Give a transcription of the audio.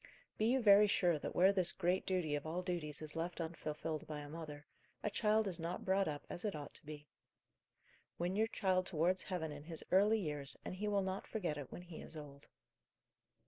Be you very sure that where this great duty of all duties is left unfulfilled by a mother, a child is not brought up as it ought to be. Win your child towards heaven in his early years, and he will not forget it when he is old.